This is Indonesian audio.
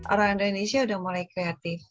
orang indonesia udah mulai kreatif